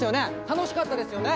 楽しかったですよね？